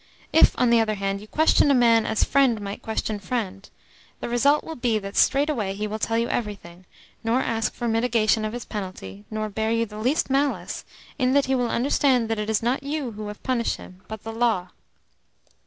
If, on the other hand, you question a man as friend might question friend, the result will be that straightway he will tell you everything, nor ask for mitigation of his penalty, nor bear you the least malice, in that he will understand that it is not you who have punished him, but the law."